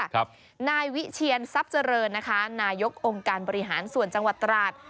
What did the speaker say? นายวิเชียนทรัพย์เจริญนะคะนายกองค์การบริหารส่วนจังหวัดตราด